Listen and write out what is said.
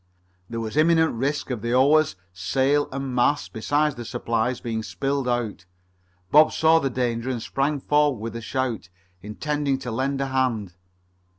There was imminent risk of the oars, sail, and mast, besides the supplies, being spilled out. Bob saw the danger and sprang forward with a shout, intending to lend a hand.